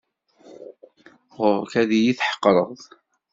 Ɣur-k ad iyi-tḥeqreḍ.